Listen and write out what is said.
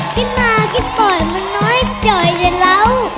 ขึ้นมาขึ้นเปิดมันน้อยโจ๋ยได้แล้ว